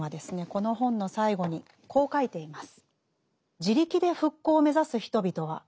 この本の最後にこう書いています。